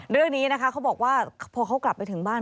เรื่องนี้นะคะเขาบอกว่าพอเขากลับไปถึงบ้าน